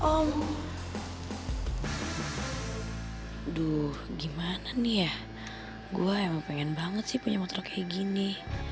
aduh gimana nih ya gue emang pengen banget sih punya motor kayak gini